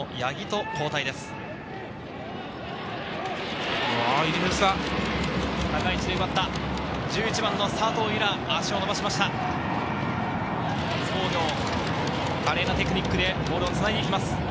津工業、華麗なテクニックでボールをつないでいきます。